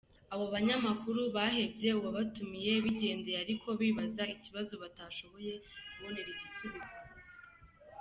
Abo banyamakuru bahebye uwabatumiye bigendeye ariko bibaza ikibazo batashoboye kubonera igisubizo.